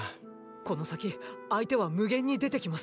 この先相手は無限に出てきます。